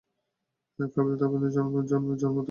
কাবীল ও তার বোনের জন্ম জান্নাতেই হয়েছিল।